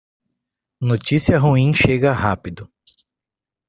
Notícia ruim chega rápido.